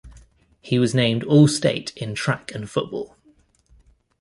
He was named All-State in track and football.